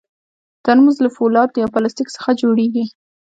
ترموز له فولادو یا پلاستیک څخه جوړېږي.